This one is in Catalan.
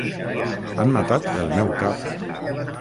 Han matat el meu Cap.